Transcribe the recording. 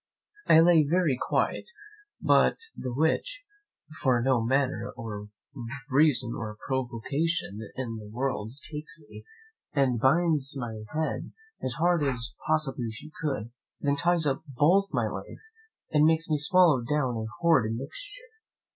I lay very quiet; but the witch, for no manner of reason or provocation in the world, takes me, and binds my head as hard as possibly she could; then ties up both my legs, and makes me swallow down a horrid mixture.